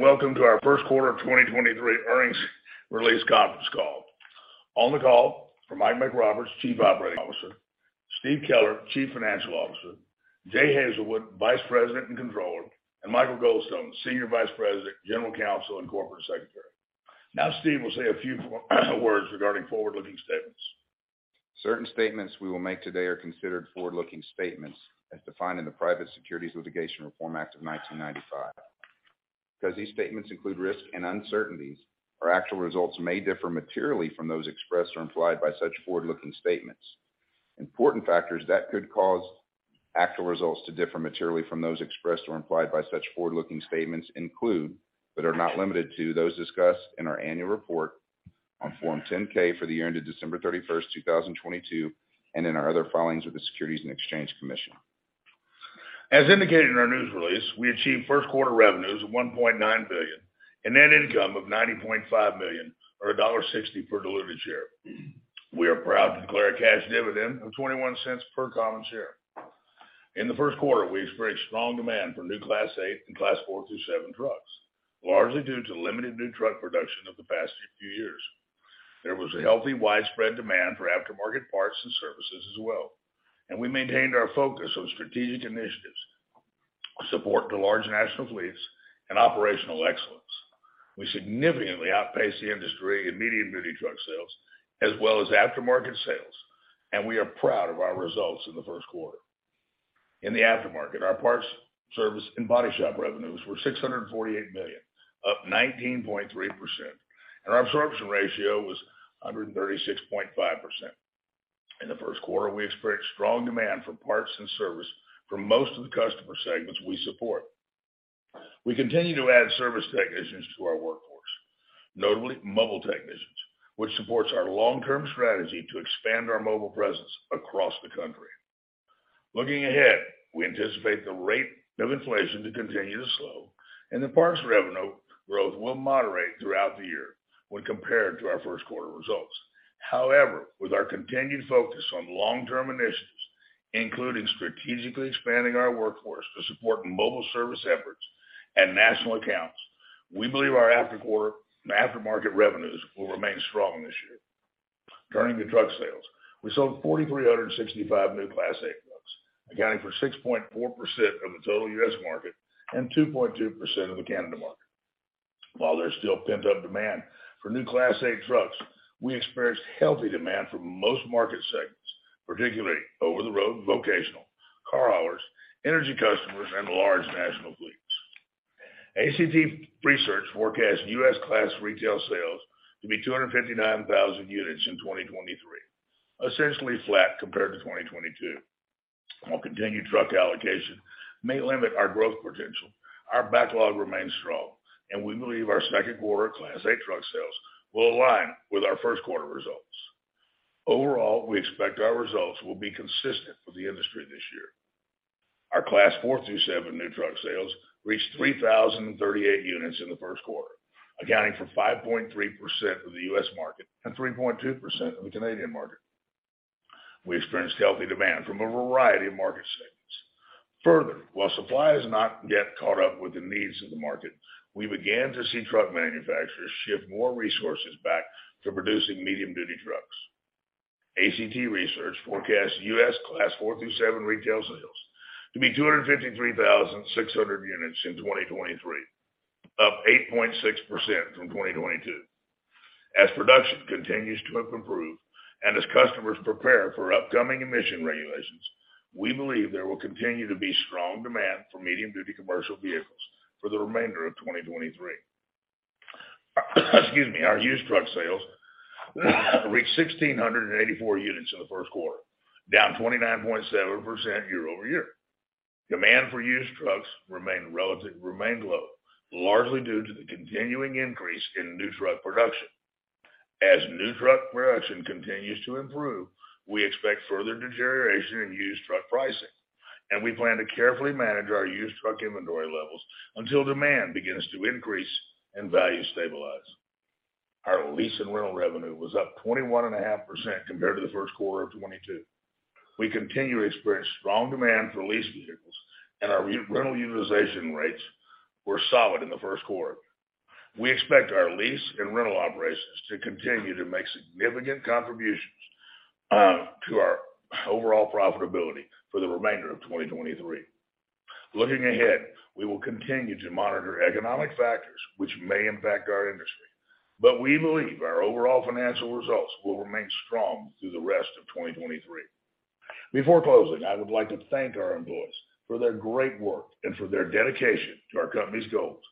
Welcome to our first quarter of 2023 earnings release conference call. On the call are Mike McRoberts, Chief Operating Officer, Steve Keller, Chief Financial Officer, Jay Hazelwood, Vice President and Controller, and Michael Goldstone, Senior Vice President, General Counsel, and Corporate Secretary. Steve will say a few words regarding forward-looking statements. Certain statements we will make today are considered forward-looking statements as defined in the Private Securities Litigation Reform Act of 1995. Because these statements include risks and uncertainties, our actual results may differ materially from those expressed or implied by such forward-looking statements. Important factors that could cause actual results to differ materially from those expressed or implied by such forward-looking statements include, but are not limited to, those discussed in our annual report on Form 10-K for the year ended December 31st, 2022, and in our other filings with the Securities and Exchange Commission. As indicated in our news release, we achieved first quarter revenues of $1.9 billion and net income of $90.5 million or $1.60 per diluted share. We are proud to declare a cash dividend of $0.21 per common share. In the first quarter, we experienced strong demand for new Class 8 and Class 4 through 7 trucks, largely due to limited new truck production of the past few years. There was a healthy, widespread demand for aftermarket parts and services as well, and we maintained our focus on strategic initiatives, support to large national fleets, and operational excellence. We significantly outpaced the industry in medium-duty truck sales as well as aftermarket sales, and we are proud of our results in the first quarter. In the aftermarket, our parts, service, and body shop revenues were $648 million, up 19.3%. Our absorption ratio was 136.5%. In the first quarter, we experienced strong demand for parts and service from most of the customer segments we support. We continue to add service technicians to our workforce, notably mobile technicians, which supports our long-term strategy to expand our mobile presence across the country. Looking ahead, we anticipate the rate of inflation to continue to slow and the parts revenue growth will moderate throughout the year when compared to our first quarter results. With our continued focus on long-term initiatives, including strategically expanding our workforce to support mobile service efforts and national accounts, we believe our aftermarket revenues will remain strong this year. Turning to truck sales. We sold 4,365 new Class 8 trucks, accounting for 6.4% of the total U.S. market and 2.2% of the Canada market. While there's still pent-up demand for new Class 8 trucks, we experienced healthy demand from most market segments, particularly over-the-road, vocational, car haulers, energy customers, and large national fleets. ACT Research forecasts U.S. class retail sales to be 259,000 units in 2023, essentially flat compared to 2022. While continued truck allocation may limit our growth potential, our backlog remains strong and we believe our second quarter Class 8 truck sales will align with our first quarter results. Overall, we expect our results will be consistent with the industry this year. Our Class 4 through 7 new truck sales reached 3,038 units in the first quarter, accounting for 5.3% of the U.S. market and 3.2% of the Canadian market. We experienced healthy demand from a variety of market segments. While supply has not yet caught up with the needs of the market, we began to see truck manufacturers shift more resources back to producing medium-duty trucks. ACT Research forecasts U.S. Class 4 through 7 retail sales to be 253,600 units in 2023, up 8.6% from 2022. As production continues to improve and as customers prepare for upcoming emission regulations, we believe there will continue to be strong demand for medium-duty commercial vehicles for the remainder of 2023. Excuse me. Our used truck sales reached 1,684 units in the first quarter, down 29.7% year-over-year. Demand for used trucks remain low, largely due to the continuing increase in new truck production. As new truck production continues to improve, we expect further deterioration in used truck pricing, and we plan to carefully manage our used truck inventory levels until demand begins to increase and value stabilize. Our lease and rental revenue was up 21.5% compared to the first quarter of 2022. We continue to experience strong demand for lease vehicles and our rental utilization rates were solid in the first quarter. We expect our lease and rental operations to continue to make significant contributions to our overall profitability for the remainder of 2023. Looking ahead, we will continue to monitor economic factors which may impact our industry, but we believe our overall financial results will remain strong through the rest of 2023. Before closing, I would like to thank our employees for their great work and for their dedication to our company's goals,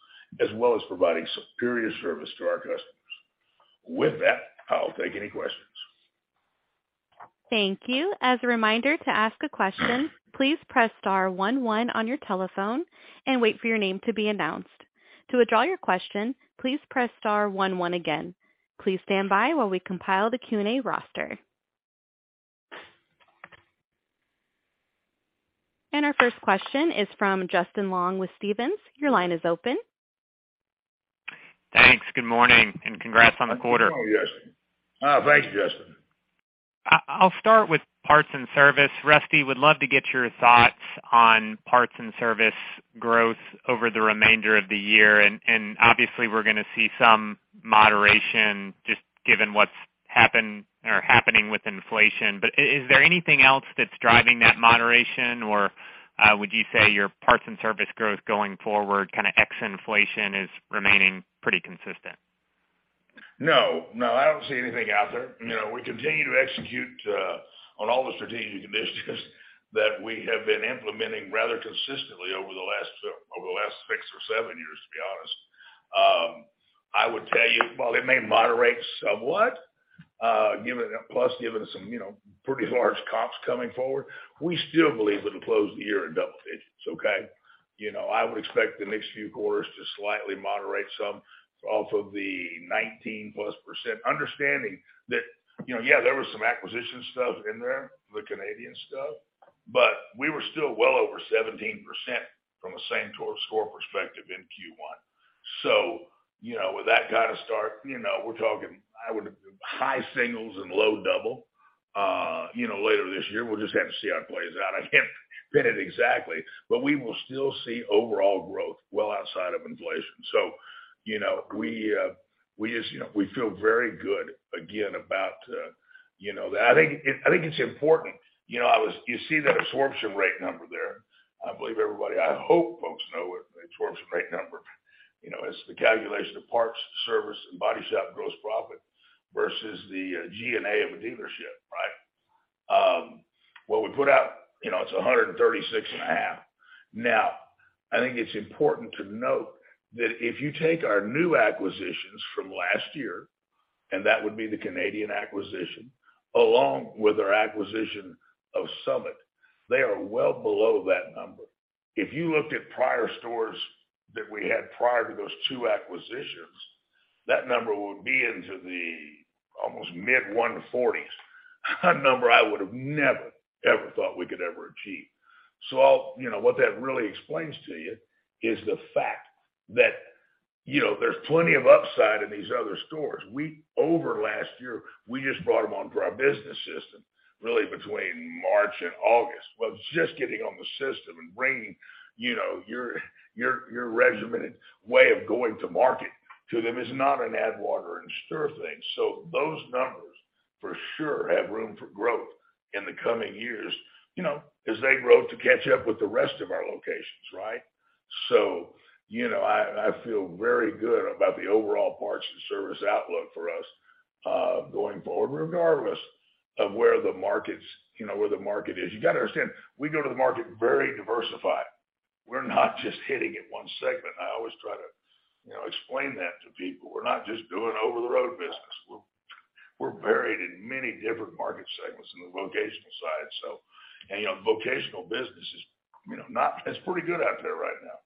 as well as providing superior service to our customers. With that, I'll take any questions. Thank you. As a reminder to ask a question, please press star one one on your telephone and wait for your name to be announced. To withdraw your question, please press star one one again. Please stand by while we compile the Q&A roster. Our first question is from Justin Long with Stephens. Your line is open. Thanks. Good morning and congrats on the quarter. Oh, yes. Oh, thank you, Justin. I'll start with parts and service. Rusty, would love to get your thoughts on parts and service growth over the remainder of the year. Obviously we're gonna see some moderation just given what's happened or happening with inflation. Is there anything else that's driving that moderation or, would you say your parts and service growth going forward kinda ex inflation is remaining pretty consistent? No, no, I don't see anything out there. You know, we continue to execute on all the strategic initiatives that we have been implementing rather consistently over the last six or seven years, to be honest. I would tell you, while it may moderate somewhat, given, plus given some, you know, pretty large comps coming forward, we still believe it'll close the year in double digits. Okay? You know, I would expect the next few quarters to slightly moderate some off of the 19%+, understanding that, you know, yeah, there was some acquisition stuff in there, the Canadian stuff, but we were still well over 17% from a same store score perspective in Q1. With that kind of start, you know, we're talking, I would, high singles and low double, you know, later this year. We'll just have to see how it plays out. I can't pin it exactly, but we will still see overall growth well outside of inflation. You know, we just, you know, we feel very good again about, you know, that. I think it, I think it's important. You know, you see that absorption rate number there. I hope folks know what absorption rate number. You know, it's the calculation of parts, service, and body shop gross profit versus the G&A of a dealership, right? What we put out, you know, it's 136.5%. Now, I think it's important to note that if you take our new acquisitions from last year, and that would be the Canadian acquisition, along with our acquisition of Summit, they are well below that number. If you looked at prior stores that we had prior to those two acquisitions, that number would be into the almost mid 140s, a number I would have never, ever thought we could ever achieve. You know, what that really explains to you is the fact that, you know, there's plenty of upside in these other stores. Over last year, we just brought them onto our business system really between March and August, was just getting on the system and bringing, you know, your regimented way of going to market to them. It's not an add water and stir thing. Those numbers for sure have room for growth in the coming years, you know, as they grow to catch up with the rest of our locations, right? You know, I feel very good about the overall parts and service outlook for us going forward, regardless of where the markets, where the market is. You gotta understand, we go to the market very diversified. We're not just hitting in one segment. I always try to, you know, explain that to people. We're not just doing over-the-road business. We're varied in many different market segments in the vocational side. You know, vocational business is not. It's pretty good out there right now.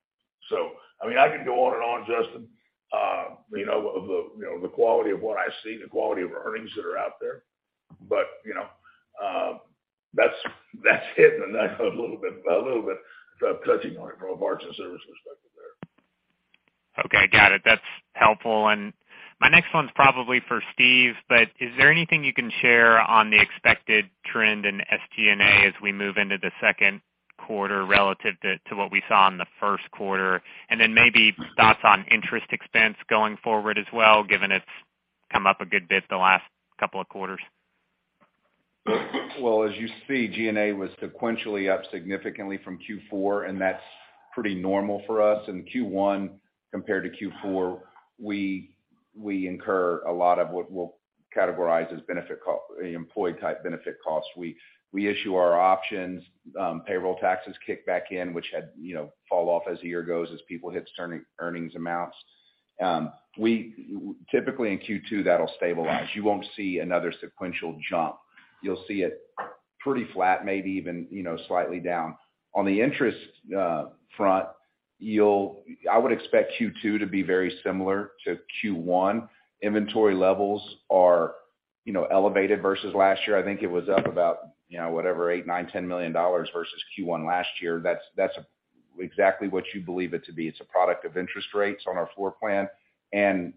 I mean, I could go on and on, Justin, you know, of the quality of what I see, the quality of earnings that are out there. You know, that's hitting the nail a little bit touching on it from a parts and service perspective there. Okay, got it. That's helpful. My next one's probably for Steve, but is there anything you can share on the expected trend in SG&A as we move into the second quarter relative to what we saw in the first quarter? Maybe thoughts on interest expense going forward as well, given it's come up a good bit the last couple of quarters? As you see, G&A was sequentially up significantly from Q4, and that's pretty normal for us. In Q1 compared to Q4, we incur a lot of what we'll categorize as benefit employee type benefit costs. We issue our options, payroll taxes kick back in, which had, you know, fall off as the year goes, as people hit earnings amounts. Typically in Q2, that'll stabilize. You won't see another sequential jump. You'll see it pretty flat, maybe even, you know, slightly down. On the interest front, I would expect Q2 to be very similar to Q1. Inventory levels are, you know, elevated versus last year. I think it was up about, you know, whatever, $8 million, $9 million, $10 million versus Q1 last year. That's exactly what you believe it to be. It's a product of interest rates on our floor plan and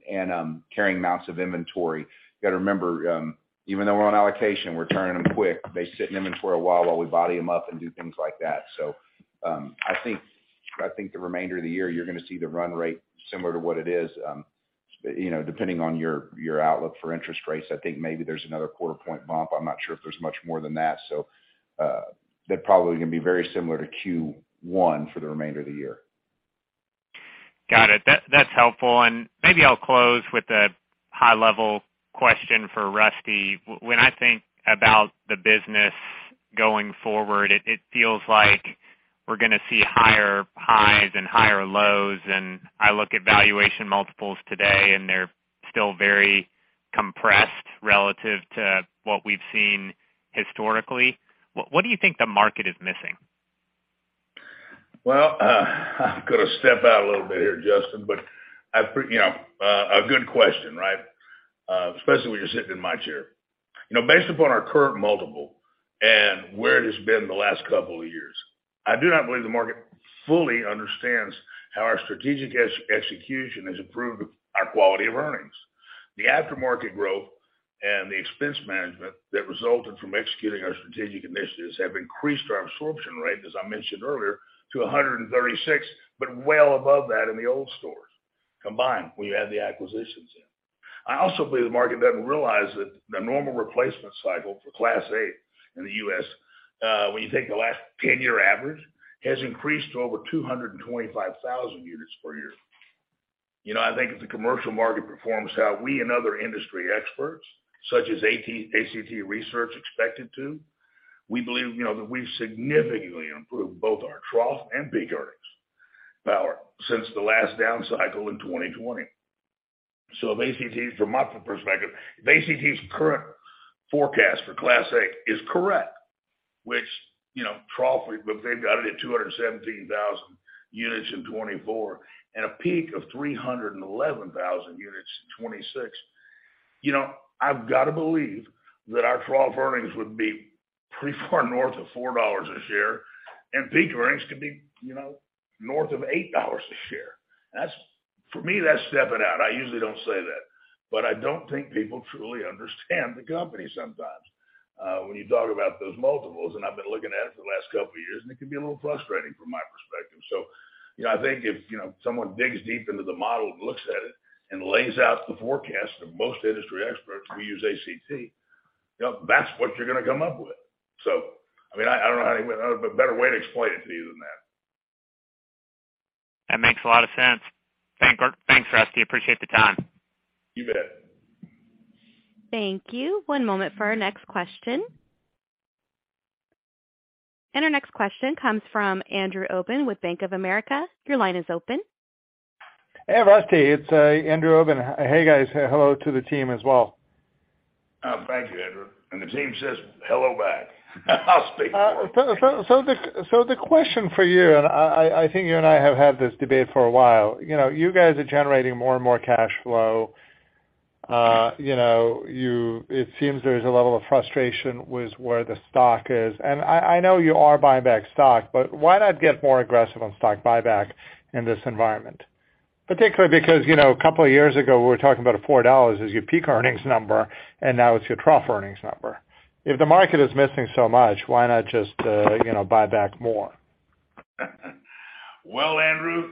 carrying amounts of inventory. You gotta remember, even though we're on allocation, we're turning them quick. They sit in inventory a while while we body them up and do things like that. I think the remainder of the year you're gonna see the run rate similar to what it is, you know, depending on your outlook for interest rates. I think maybe there's another quarter point bump. I'm not sure if there's much more than that. That probably can be very similar to Q1 for the remainder of the year. Got it. That's helpful. Maybe I'll close with a high level question for Rusty. When I think about the business going forward, it feels like we're gonna see higher highs and higher lows. I look at valuation multiples today, and they're still very compressed relative to what we've seen historically. What do you think the market is missing? Well, I'm gonna step out a little bit here, Justin, you know, a good question, right? Especially when you're sitting in my chair. You know, based upon our current multiple and where it has been the last couple of years, I do not believe the market fully understands how our strategic execution has improved our quality of earnings. The aftermarket growth and the expense management that resulted from executing our strategic initiatives have increased our absorption rate, as I mentioned earlier, to 136, but well above that in the old stores combined, when you add the acquisitions in. I also believe the market doesn't realize that the normal replacement cycle for Class 8 in the U.S., when you take the last 10-year average, has increased to over 225,000 units per year. You know, I think if the commercial market performs how we and other industry experts such as ACT Research expect it to, we believe, you know, that we've significantly improved both our trough and peak earnings power since the last down cycle in 2020. If ACT, from my perspective, if ACT's current forecast for Class 8 is correct, which, you know, trough they've got it at 217,000 units in 2024 and a peak of 311,000 units in 2026, you know, I've got to believe that our trough earnings would be pretty far north of $4 a share, and peak earnings could be, you know, north of $8 a share. That's, for me, that's stepping out. I usually don't say that. I don't think people truly understand the company sometimes, when you talk about those multiples. I've been looking at it for the last couple of years, and it can be a little frustrating from my perspective. You know, I think if, you know, someone digs deep into the model and looks at it and lays out the forecast of most industry experts who use ACT, you know, that's what you're gonna come up with. I mean, I don't know any better way to explain it to you than that. That makes a lot of sense. Thanks, Rusty. Appreciate the time. You bet. Thank you. One moment for our next question. Our next question comes from Andrew Obin with Bank of America. Your line is open. Hey, Rusty. It's Andrew Obin. Hey, guys. Hello to the team as well. Oh, thank you, Andrew. The team says hello back. I'll speak for 'em. The question for you, I think you and I have had this debate for a while. You know, you guys are generating more and more cash flow. You know, it seems there's a level of frustration with where the stock is. I know you are buying back stock, but why not get more aggressive on stock buyback in this environment? Particularly because, you know, a couple of years ago, we were talking about $4 as your peak earnings number, and now it's your trough earnings number. If the market is missing so much, why not just, you know, buy back more? Well, Andrew,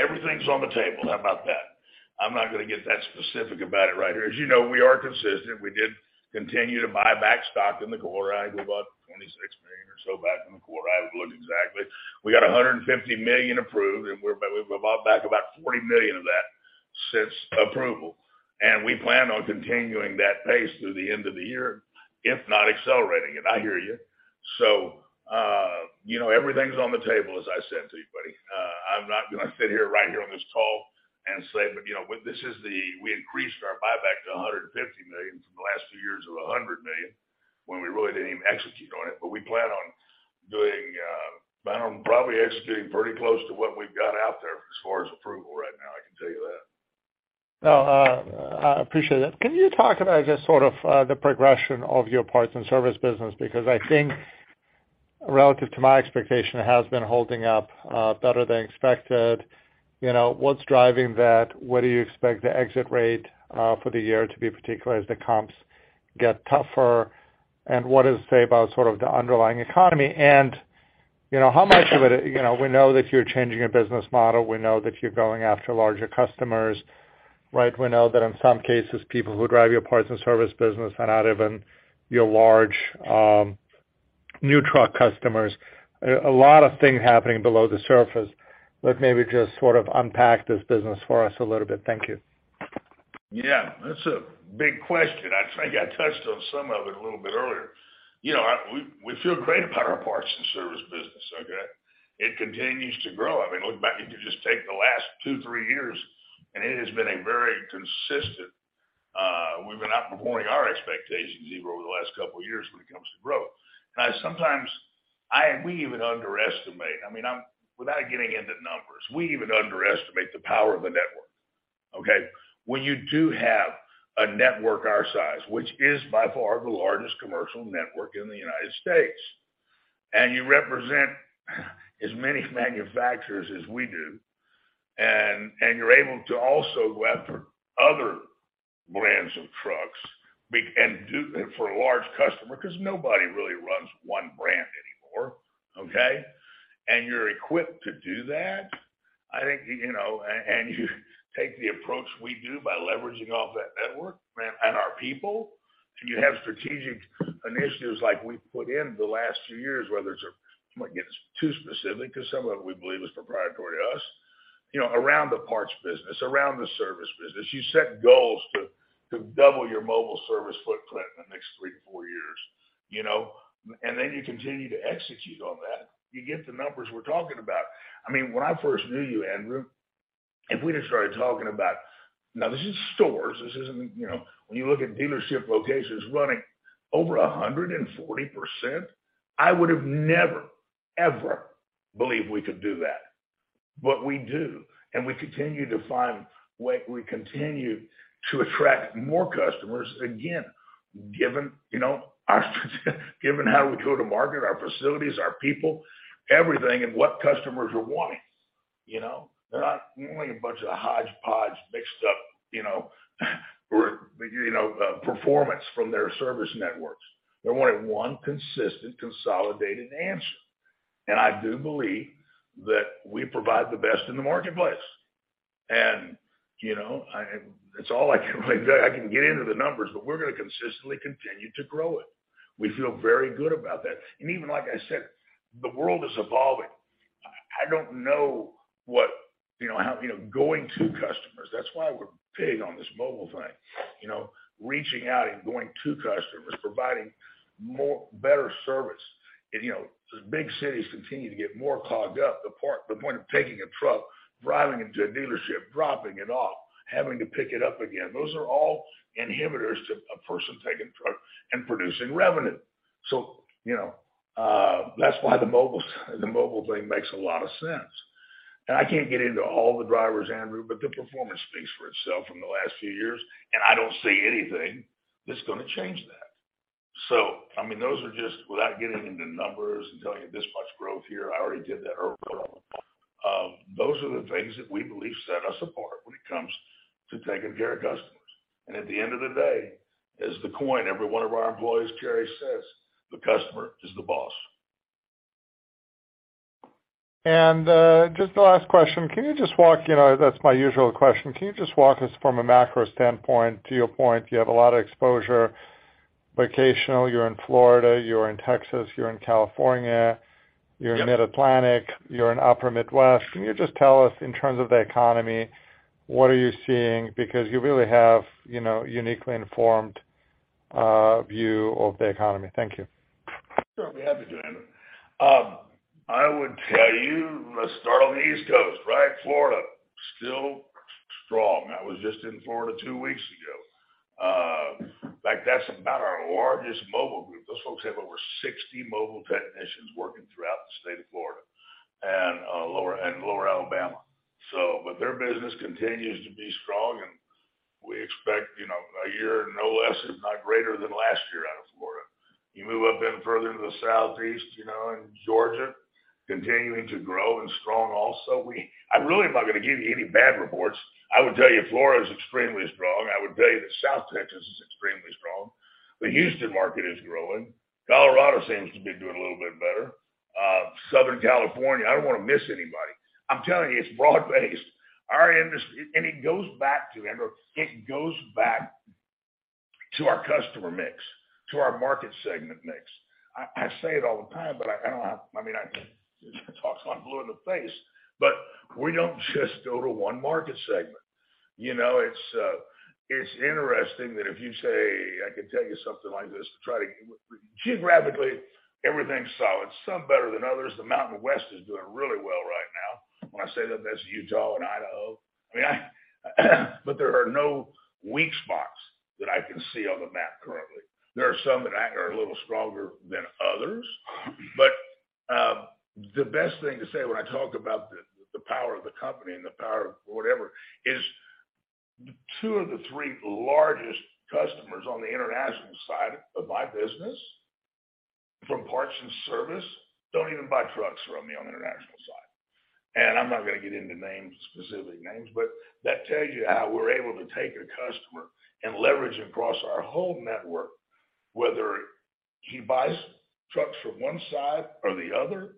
everything's on the table. How about that? I'm not gonna get that specific about it right here. As you know, we are consistent. We did continue to buy back stock in the quarter. I think we bought $26 million or so back in the quarter. I have to look exactly. We got $150 million approved, and we bought back about $40 million of that since approval. We plan on continuing that pace through the end of the year, if not accelerating it. I hear you. You know, everything's on the table, as I said to you, buddy. I'm not gonna sit here right here on this call and say, but, you know, this is the... We increased our buyback to $150 million from the last few years of $100 million when we really didn't even execute on it. We plan on probably executing pretty close to what we've got out there as far as approval right now, I can tell you that. No, I appreciate that. Can you talk about just sort of the progression of your parts and service business? Because I think relative to my expectation, it has been holding up better than expected. You know, what's driving that? What do you expect the exit rate for the year to be, particularly as the comps get tougher? What does it say about sort of the underlying economy? You know, how much of it, you know, we know that you're changing your business model. We know that you're going after larger customers, right? We know that in some cases, people who drive your parts and service business are not even your large new truck customers. A lot of things happening below the surface. Let's maybe just sort of unpack this business for us a little bit. Thank you. Yeah, that's a big question. I think I touched on some of it a little bit earlier. You know, we feel great about our parts and service business, okay? It continues to grow. I mean, look back, you could just take the last two, three years, and it has been a very consistent, we've been outperforming our expectations even over the last couple of years when it comes to growth. I sometimes we even underestimate, I mean, without getting into numbers, we even underestimate the power of a network, okay? When you do have a network our size, which is by far the largest commercial network in the United States, and you represent as many manufacturers as we do, and you're able to also go after other brands of trucks for a large customer, because nobody really runs one brand anymore, okay? You're equipped to do that, I think, you know, you take the approach we do by leveraging off that network and our people, and you have strategic initiatives like we've put in the last few years, whether it's. I'm not getting too specific because some of it we believe is proprietary to us. You know, around the parts business, around the service business, you set goals to double your mobile service footprint in the next three to four years, you know? Then you continue to execute on that. You get the numbers we're talking about. I mean, when I first knew you, Andrew, if we'd have started talking about. Now, this is stores. This isn't, you know, when you look at dealership locations running over 140%, I would have never, ever believed we could do that. What we do, and we continue to find way. We continue to attract more customers, again, given, you know, given how we go to market, our facilities, our people, everything, and what customers are wanting, you know? They're not wanting a bunch of hodgepodge mixed up, you know, or, you know, performance from their service networks. They're wanting one consistent, consolidated answer. I do believe that we provide the best in the marketplace. You know, it's all I can really say. I can get into the numbers, but we're gonna consistently continue to grow it. We feel very good about that. Even like I said, the world is evolving. I don't know what, you know, how, you know, going to customers. That's why we're big on this mobile thing. You know, reaching out and going to customers, providing more better service. As, you know, big cities continue to get more clogged up, the point of taking a truck, driving into a dealership, dropping it off, having to pick it up again, those are all inhibitors to a person taking trucks and producing revenue. You know, that's why the mobile thing makes a lot of sense. I can't get into all the drivers, Andrew, but the performance speaks for itself from the last few years, and I don't see anything that's gonna change that. I mean, those are just, without getting into numbers and telling you this much growth here, I already did that earlier. Those are the things that we believe set us apart when it comes to taking care of customers. At the end of the day, as the coin every one of our employees carries says, "The customer is the boss. Just the last question. Can you just walk, you know, that's my usual question. Can you just walk us from a macro standpoint to your point, you have a lot of exposure, vocational, you're in Florida, you're in Texas, you're in California, you're in Mid-Atlantic, you're in Upper Midwest. Can you just tell us in terms of the economy, what are you seeing? Because you really have, you know, uniquely informed view of the economy. Thank you. Sure. I'll be happy to, Andrew Obin. I would tell you, let's start on the East Coast, right? Florida still strong. I was just in Florida two weeks ago. In fact, that's about our largest mobile group. Those folks have over 60 mobile technicians working throughout the state of Florida and lower Alabama. Their business continues to be strong, and we expect, you know, a year, no less, if not greater than last year out of Florida. You move up in further into the southeast, you know, in Georgia, continuing to grow and strong also. I really am not gonna give you any bad reports. I would tell you Florida is extremely strong. I would tell you that South Texas is extremely strong. The Houston market is growing. Colorado seems to be doing a little bit better. Southern California. I don't wanna miss anybody. I'm telling you, it's broad-based. Our industry. It goes back to, Andrew Obin, it goes back to our customer mix, to our market segment mix. I say it all the time, but I don't have. I mean, I talk till I'm blue in the face, but we don't just go to one market segment. You know, it's interesting that if you say, I could tell you something like this to try to. Geographically, everything's solid. Some better than others. The Mountain West is doing really well right now. When I say that's Utah and Idaho. I mean. There are no weak spots that I can see on the map currently. There are some that act are a little stronger than others. The best thing to say when I talk about the power of the company and the power of whatever is two of the three largest customers on the International side of my business from parts and service, don't even buy trucks from me on the International side. I'm not gonna get into names, specific names, but that tells you how we're able to take a customer and leverage across our whole network, whether he buys trucks from one side or the other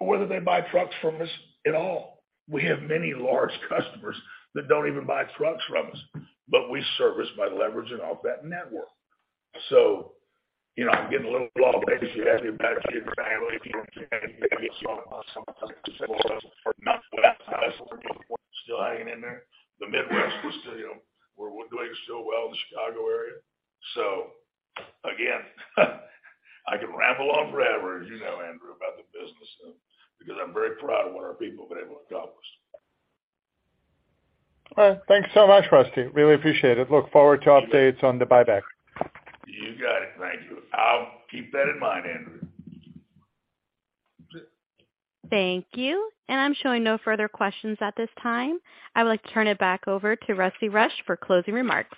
or whether they buy trucks from us at all. We have many large customers that don't even buy trucks from us, but we service by leveraging off that network. You know, I'm getting a little broad-based. If you ask me about Still hanging in there. The Midwest, we're still, you know, we're doing so well in the Chicago area. Again, I can ramble on forever, as you know, Andrew, about the business because I'm very proud of what our people have been able to accomplish. Well, thanks so much, Rusty. Really appreciate it. Look forward to updates on the buyback. You got it. Thank you. I'll keep that in mind, Andrew. Thank you. I'm showing no further questions at this time. I would like to turn it back over to Rusty Rush for closing remarks.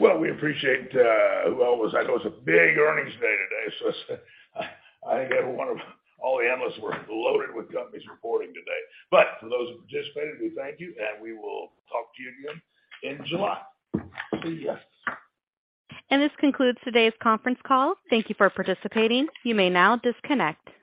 We appreciate. That was a big earnings day today. I think everyone of all the analysts were loaded with companies reporting today. For those who participated, we thank you, and we will talk to you again in July. See ya. This concludes today's conference call. Thank you for participating. You may now disconnect.